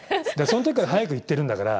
そのときから早く行っているんだから。